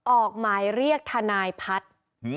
ออกหมายเรียกทนายพัฒน์